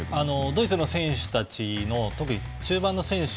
ドイツの選手たちの特に中盤の選手